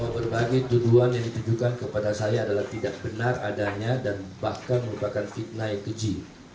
berbagai tuduhan yang ditujukan kepada saya adalah tidak benar adanya dan bahkan merupakan fitnah yang keji